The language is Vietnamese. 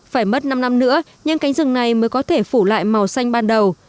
phải mất năm năm nữa nhưng cánh rừng này mới có thể phủ lại màu xanh ban đầu